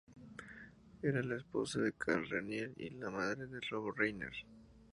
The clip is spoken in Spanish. Era la esposa de Carl Reiner y la madre de Rob Reiner.